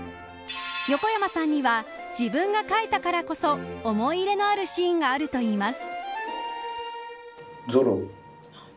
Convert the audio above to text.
横山さんには自分が描いたからこそ思い入れのあるシーンがあるといいます。